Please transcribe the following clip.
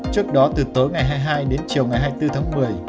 trước đó từ tối ngày hai mươi hai đến chiều ngày hai mươi bốn tháng một mươi